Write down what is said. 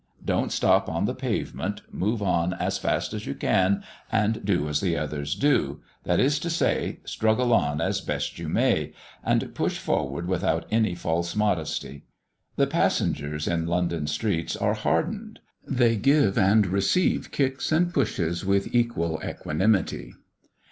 Don't stop on the pavement, move on as fast you can, and do as the others do, that is to say, struggle on as best you may, and push forward without any false modesty. The passengers in London streets are hardened; they give and receive kicks and pushes with equal equanimity.